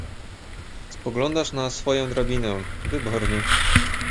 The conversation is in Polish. "spoglądasz na swoję drabinę... wybornie."